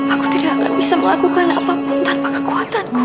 aku tidak akan bisa melakukan apapun tanpa kekuatan